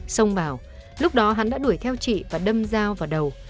xong bảo lúc đó hắn đã đuổi theo chị và đâm dao vào đầu